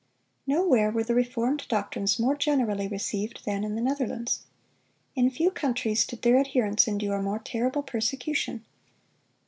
Nowhere were the reformed doctrines more generally received than in the Netherlands. In few countries did their adherents endure more terrible persecution.